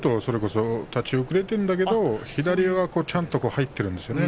立ち遅れてはいるんだけど左はちゃんと入ってるんですよね。